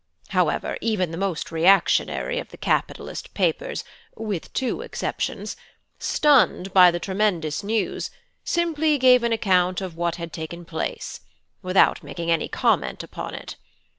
However, even the most reactionary of the capitalist papers, with two exceptions, stunned by the tremendous news, simply gave an account of what had taken place, without making any comment upon it.